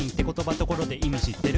「ところで意味知ってる？